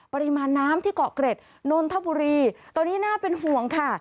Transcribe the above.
ปริมาณน้ำที่เกาะเกร็ดนนทบุรีตอนนี้น่าเป็นห่วงค่ะ